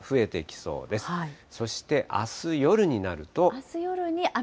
そしてあす夜になると。